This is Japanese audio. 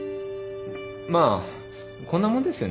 まあこんなもんですよね。